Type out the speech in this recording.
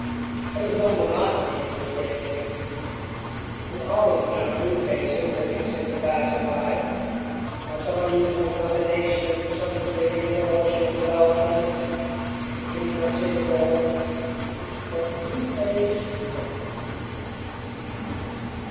There was no monotony in his great game. He always found new faces interesting to classify, some unusual combination, some degree of emotional development he had not seen before. But the face never.